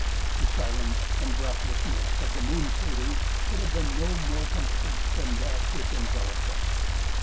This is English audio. The silence and breathlessness of the moon craters could have been no more complete than that which enveloped us.